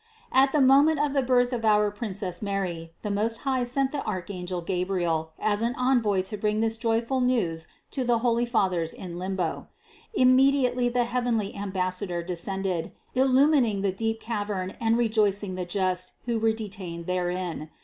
330. At the moment of the birth of our Princess Mary the Most High sent the archangel Gabriel as an envoy to bring this joyful news to the holy Fathers in limbo. Im mediately the heavenly ambassador descended, illumining that deep cavern and rejoicing the just who were de tained therein.